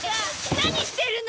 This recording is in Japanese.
何してるの！